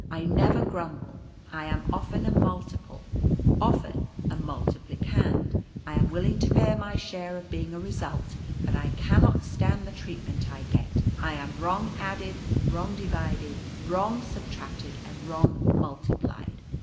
I never grumble. I am often a multiple ; often a multiplicand. I am willing to bear my share of being a result, but I cannot stand the treat ment I get. I am wrong added, wrong divided, wrong subtracted, and wrong multiplied.